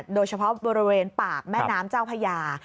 โดยเฉพาะบริเวณปากแม่น้ำเจ้าพญา